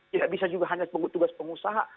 tidak bisa juga hanya tugas pengusaha